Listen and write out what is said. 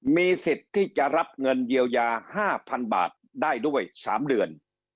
มีสิทธิ์ที่จะรับเงินเยียวยา๕๐๐๐บาทได้ด้วย๓เดือน